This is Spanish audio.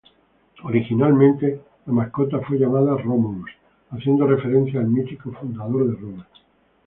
Originalmente la mascota fue llamada Romulus haciendo referencia al mítico fundador de Roma.